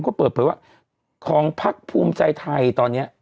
ก็เปิดเผยว่าของพักภูมิใจไทยตอนนี้